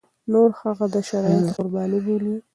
نور هغه د شرايطو قرباني بولي.